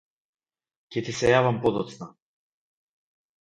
Ќе ти се јавам подоцна.